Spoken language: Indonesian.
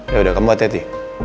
yaudah kamu hati hati